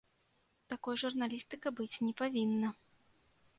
Такой журналістыка быць не павінна.